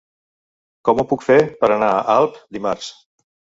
Com ho puc fer per anar a Alp dimarts?